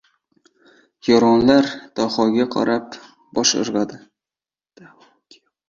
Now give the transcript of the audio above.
Yoronlar Dahoga qarab bosh irg‘adi.